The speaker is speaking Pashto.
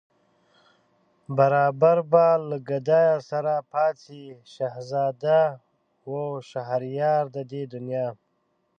برابر به له گدايه سره پاڅي شهزاده و شهريار د دې دنیا